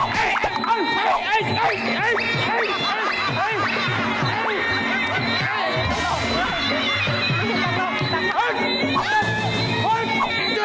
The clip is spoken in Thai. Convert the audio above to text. เบาเสียหน่อยเบาเสียหน่อย